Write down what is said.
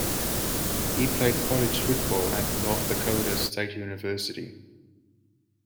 He played college football at North Dakota State University.